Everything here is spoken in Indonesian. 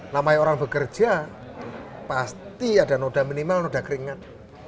namanya orang bekerja pasti ada noda minimal noda keringat